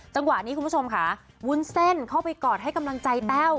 จังหวะนี้คุณผู้ชมค่ะวุ้นเส้นเข้าไปกอดให้กำลังใจแต้ว